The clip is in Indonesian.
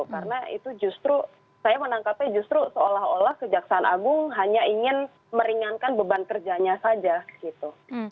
karena itu justru saya menangkapnya justru seolah olah kejaksaan agung hanya ingin meringankan beban kerjanya saja gitu